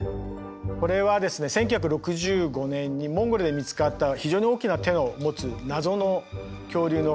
これはですね１９６５年にモンゴルで見つかった非常に大きな手を持つ謎の恐竜の化石です。